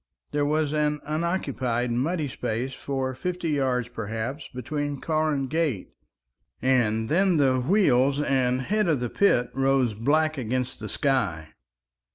There was an unoccupied muddy space for fifty yards, perhaps, between car and gate, and then the wheels and head of the pit rose black against the sky.